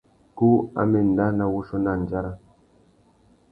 Kú a má enda nà wuchiô nà andjara.